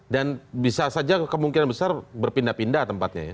dan bisa saja kemungkinan besar berpindah pindah tempatnya ya